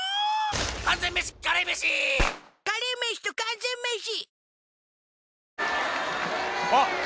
完全メシカレーメシカレーメシと完全メシ